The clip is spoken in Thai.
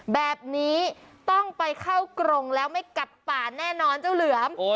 แบบนี้ต้องไปเข้ากรงแล้วไม่กัดป่าแน่นอนเจ้าเหลือม